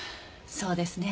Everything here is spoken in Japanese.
そうですね。